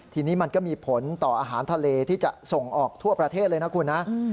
ทีนี้มันก็มีผลต่ออาหารทะเลที่จะส่งออกทั่วประเทศเลยนะคุณนะ